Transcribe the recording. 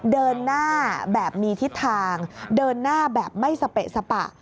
เดินหน้าแบบมีทิศทางเดินหน้าแบบไม่สเปะสปะ